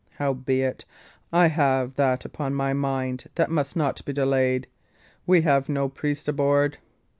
Howbeit, I have that upon my mind that must not be delayed. We have no priest aboard?"